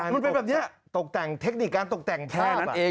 มันเป็นแบบนี้ตกแต่งเทคนิคการตกแต่งแพร่นั่นเอง